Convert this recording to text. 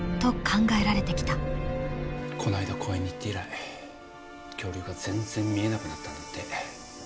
こないだ公園に行って以来恐竜が全然見えなくなったんだって。